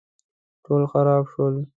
ټول خراب شول